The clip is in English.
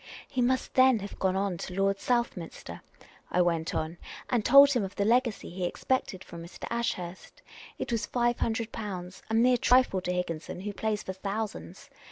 " He must then have gone to Lord Southminster," I went on, and told him of the legacy he expected from Mr. Ashurst. It was five hundred pounds — a mere trifle to Higginson, who plays for thousands.